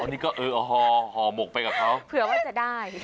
นี่ก็เออห่อหมกไปกับเขาเผื่อว่าจะได้